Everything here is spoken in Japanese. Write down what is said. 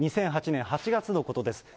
２００８年８月のことです。